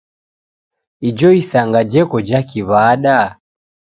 Ijo isanga jeko ja kiw'ada?